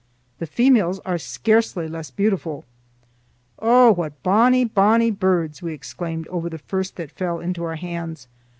The females are scarcely less beautiful. "Oh, what bonnie, bonnie birds!" we exclaimed over the first that fell into our hands.